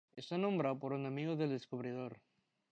Está nombrado por un amigo del descubridor.